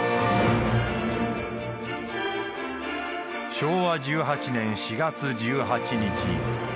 昭和１８年４月１８日。